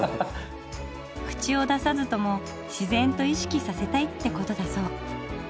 口を出さずとも自然と意識させたいってことだそう。